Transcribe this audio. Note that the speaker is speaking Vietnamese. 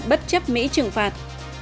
bất chấp mỹ trừng phạt